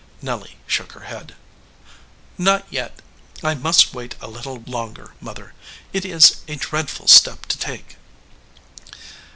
Nelly shook her head. "Not yet. I must wait a little longer, mother; it is a dreadful step to take."